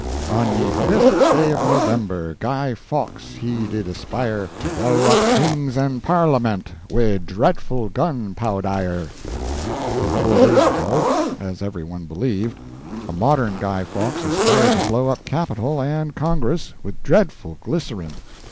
"On ye fifth day of November Guy Fawkes he did aspire To blow up Kings and Parlement Wi' dreadful gun powdire." And four days ago, as every one believed, a modern Guy Fawkes aspired to blow up Capitol and Congress wi' dreadful glycerine.